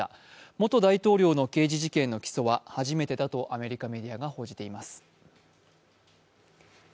元大統領の刑事事件の起訴は初めてだとアメリカメディアが報じています。